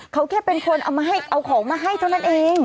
เขาแค่เป็นคนเอามาเอาของมาให้เท่านั้นเอง